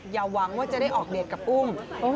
อย่าหวังว่าจะได้ออกเดทกับอุ้ม